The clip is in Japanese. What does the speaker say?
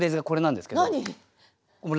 何？